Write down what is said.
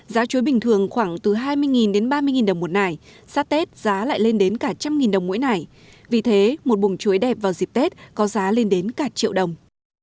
giá chuối bình thường khoảng từ hai mươi đồng đến ba mươi đồng